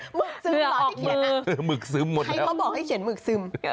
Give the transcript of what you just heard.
หึกซึมเหรอที่เขียนหมึกซึมหมดให้เขาบอกให้เขียนหมึกซึม